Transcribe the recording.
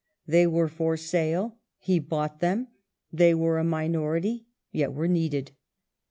They were for sale, he bought them; they were a minority, yet were needed.